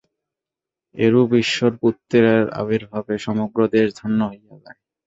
এরূপ ঈশ্বর-পুত্রের আবির্ভাবে সমগ্র দেশ ধন্য হইয়া যায়।